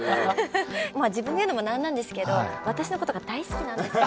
自分で言うのも何なんですけど私のことが大好きなんですよ。